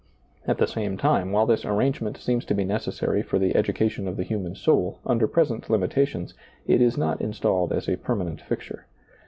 At the same time, while this arrangement seems to be necessary for the educa tion of the human soul, under present limitadons, it is not installed as a permanent fixture.